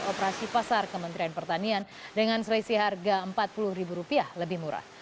operasi pasar kementerian pertanian dengan selisih harga rp empat puluh lebih murah